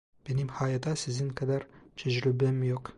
Benim hayatta sizin kadar tecrübem yok.